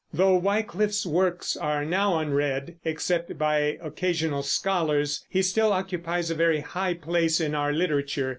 Though Wyclif's works are now unread, except by occasional scholars, he still occupies a very high place in our literature.